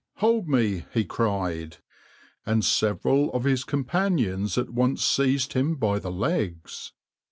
hold me!" he cried, and several of his companions at once seized him by the legs.